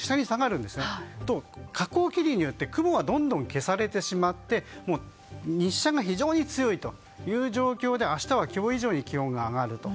そうすると下降気流によって雲がどんどん消されてしまって日射が非常に強いという状況で明日は今日以上に気温が上がります。